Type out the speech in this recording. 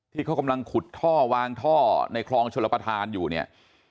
ที่เขากำลังขุดท่อวางท่อในคลองชลประธานอยู่เนี่ย